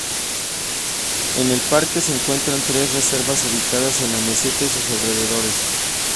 En el parque se encuentran tres reservas ubicadas en la meseta y sus alrededores.